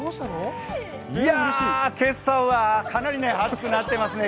今朝はかなり暑くなってますね。